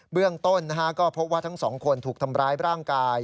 เบื้องต้นก็พบว่าทั้งสองคนถูกทำร้ายร่างกาย